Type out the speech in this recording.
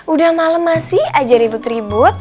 udah malam masih aja ribut ribut